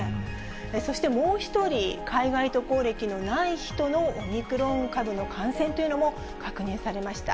そしてもう１人、海外渡航歴のない人のオミクロン株の感染というのも確認されました。